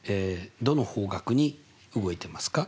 どの方角に動いてますか？